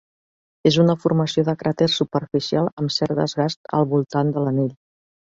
És una formació de cràter superficial amb cert desgast al voltant de l'anell.